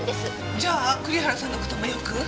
じゃあ栗原さんの事もよく？